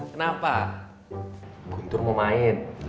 kenapa guntur mau main